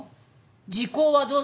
時効はどうするの？